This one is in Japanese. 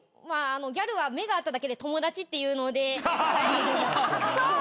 まあギャルは目が合っただけで友達って言うのではい。